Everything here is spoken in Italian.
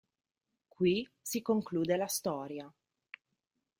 Qui si conclude la storia.